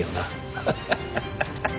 ハハハハハ。